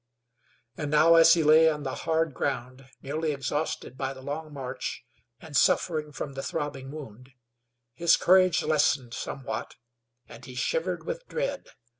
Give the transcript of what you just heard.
And now as he lay on the hard ground, nearly exhausted by the long march and suffering from the throbbing wound, his courage lessened somewhat, and he shivered with dread.